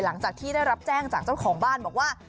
หลังจากที่ได้รับแจ้งจากเจ้าของบ้านบอกว่า